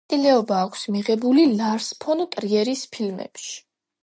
მონაწილეობა აქვს მიღებული ლარს ფონ ტრიერის ფილმებში.